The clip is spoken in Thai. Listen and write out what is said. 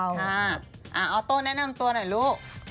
ออโต้แนะนำตัวหน่อยลูก